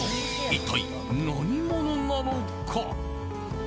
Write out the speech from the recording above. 一体、何者なのか。